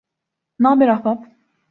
N'aber ahbap?